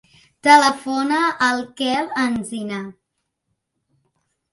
Telefona al Quel Encinar.